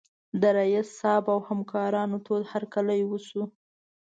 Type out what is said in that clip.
د رییس صیب او همکارانو تود هرکلی وشو.